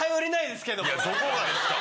どこがですか！